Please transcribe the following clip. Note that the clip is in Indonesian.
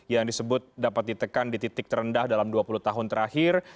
yang disebut dapat ditekan di titik terendah dalam dua puluh tahun terakhir